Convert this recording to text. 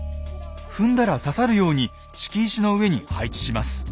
踏んだら刺さるように敷石の上に配置します。